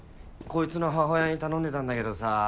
こいつの母親に頼んでたんだけどさ